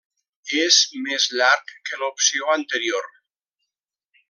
És més llarg que l'opció anterior.